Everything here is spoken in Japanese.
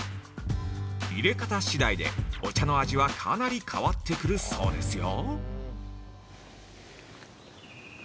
◆入れ方次第で、お茶の味はかなり変わってくるそうですよ。